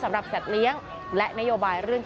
สัตว์เลี้ยงและนโยบายเรื่อง